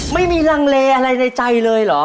ไม่มีลังเลอะไรในใจเลยเหรอ